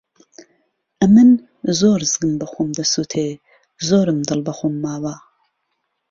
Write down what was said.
ئەمن زۆر زگم به خۆم دهسوتێ زۆرم دڵ به خۆم ماوه